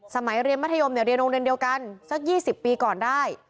สมัยเรียนมัธยมเรียนโรงเรียนเดียวกันสัก๒๐ปีก่อนได้